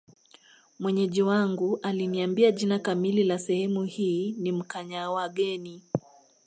Mwenyeji wangu aliniambia jina kamili la sehemu hii ni Mkanyawageni